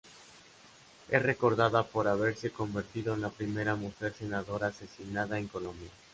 Es recordada por haberse convertido en la primera mujer senadora asesinada en Colombia.